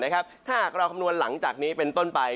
ถ้าหากเราคำนวณหลังจากนี้เป็นต้นไป